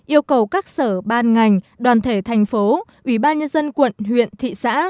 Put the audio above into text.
yêu cầu các sở ban ngành đoàn thể thành phố ủy ban nhân dân quận huyện thị xã